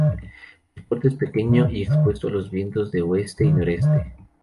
El puerto es pequeño y expuesto a los vientos de oeste y noreste.